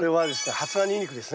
発芽ニンニクですね。